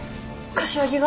柏木が？